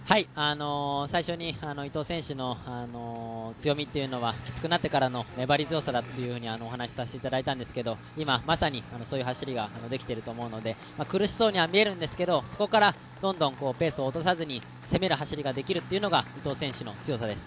最初に伊藤選手の強みというのはきつくなってからの粘り強さだとお話をさせていただいたんですけど、まさにいまそういう走りができていると思うので苦しそうには見えるんですけど、そこからどんどんペースを落とさずに攻める走りができるというのが伊藤選手の強さです。